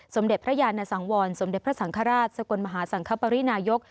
สมเด็จพระยานสังวรสมเด็จพระสังฆราชสกลมหาสังคปรินายก